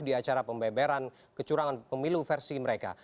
di acara pembeberan kecurangan pemilu versi mereka